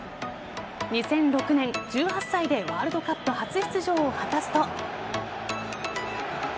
２００６年、１８歳でワールドカップ初出場を果たすと。